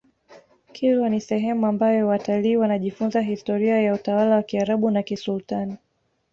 kilwa ni sehemu ambayo watalii wanajifunza historia ya utawala wa kiarabu wa kisultani